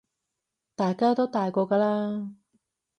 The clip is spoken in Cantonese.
大家都大個㗎喇